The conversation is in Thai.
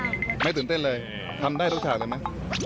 ไม่ตื่นเต้นเลยทำได้ทุกฉากเลยไหม